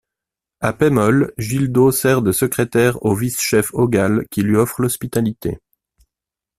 À Paimol, Jildo sert de secrétaire au vice-chef Ogal qui lui offre l'hospitalité.